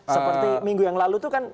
seperti minggu yang lalu itu kan